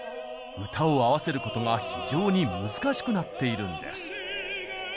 歌を合わせることが非常に難しくなっているんです。